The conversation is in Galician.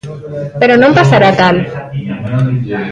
Pero non pasará tal.